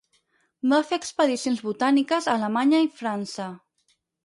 Va fer expedicions botàniques a Alemanya i França.